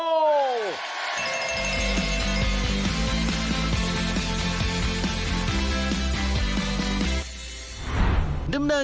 พรุ่งนี้๕สิงหาคมเรามีนัดกัน